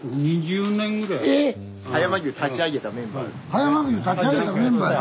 葉山牛立ち上げたメンバーや。